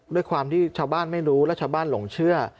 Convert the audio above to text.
ด้วยความที่ชาวบ้านไม่รู้และชาวบ้านหลงเชื่อ